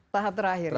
tahap terakhir ya